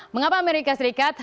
mengapa amerika serikat